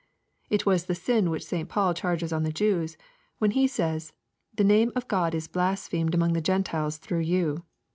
It was the sin which St. Paul charges on the Jews, when he says, " the name of God is blas phemed among the Gentiles through you."